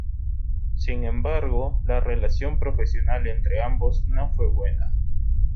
Sin embargo, la relación profesional entre ambos no fue buena.